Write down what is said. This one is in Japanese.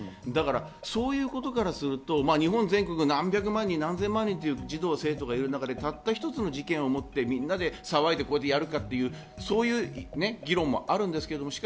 そういうことからすると、日本全国、何百万人、何千万人という児童生徒がいる中でたった一つの事件をもってみんなで騒いで、こうやってやるかという議論もあると思うんです。